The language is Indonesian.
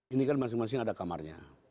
ini kan masing masing ada kamarnya